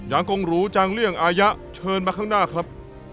งกงหรูจังเลี่ยงอายะเชิญมาข้างหน้าครับ